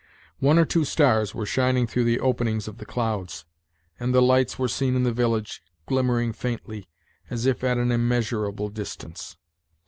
One or two stars were shining through the openings of the clouds, and the lights were seen in the village, glimmering faintly, as if at an immeasurable distance.